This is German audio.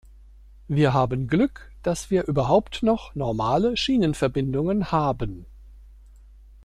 Wir haben Glück, dass wir überhaupt noch normale Schienenverbindungen haben.